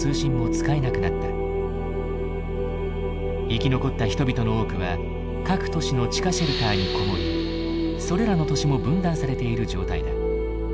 生き残った人々の多くは各都市の地下シェルターに籠もりそれらの都市も分断されている状態だ。